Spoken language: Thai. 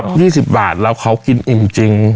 ๒๐บาทแล้วเขากินอิ่มจริง